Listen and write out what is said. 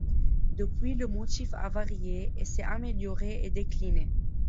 Depuis, le motif a varié et s'est amélioré et décliné.